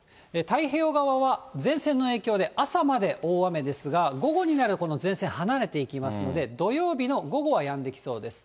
太平洋側は前線の影響で朝まで大雨ですが、午後になると、この前線離れていきますので、土曜日の午後はやんできそうです。